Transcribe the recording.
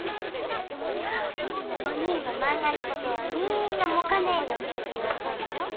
おにぃも漫画のことはみんなもか姉に教えてもらったんだよ。